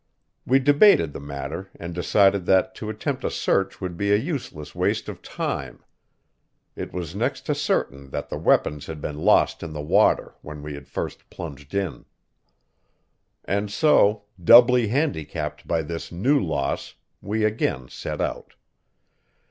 We debated the matter, and decided that to attempt a search would be a useless waste of time; it was next to certain that the weapons had been lost in the water when we had first plunged in. And so, doubly handicapped by this new loss, we again set out.